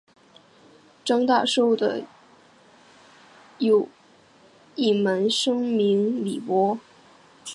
张大受的有一门生名李绂。